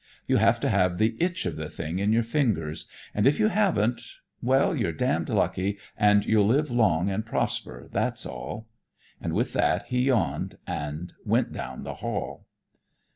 You have to have the itch of the thing in your fingers, and if you haven't, well, you're damned lucky, and you'll live long and prosper, that's all." And with that he yawned and went down the hall.